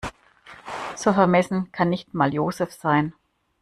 So vermessen kann nicht mal Joseph sein.